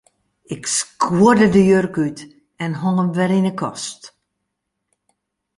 Ik skuorde de jurk út en hong him wer yn 'e kast.